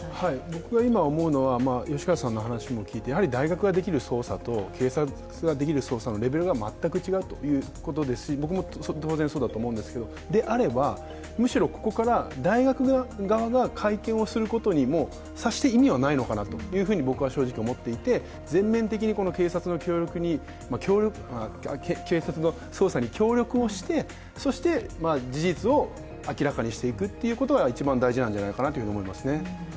僕が今思うのは、やはり大学できる捜査と、警察ができる捜査のレベルが全く違うということですし僕も当然そうだと思うんですが、であれば、むしろ、ここから大学側が会見をすることにも、もう、さして意味はないのかなと僕は正直思っていて全面的に警察の捜査に協力して事実を明らかにしていくっていうことが一番大事なんじゃないかなと思いますね。